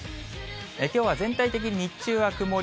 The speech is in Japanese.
きょうは全体的に日中は曇り。